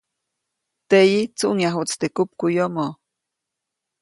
Teʼyi, tsuʼŋyajuʼtsi teʼ kupkuʼyomoʼ.